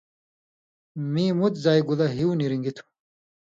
میں مُت زائ گولہ ہیُو نی رِن٘گیۡ تُھو